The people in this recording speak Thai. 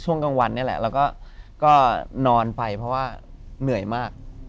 กลางวันนี่แหละแล้วก็นอนไปเพราะว่าเหนื่อยมาก